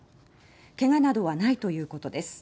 けがなどはないということです。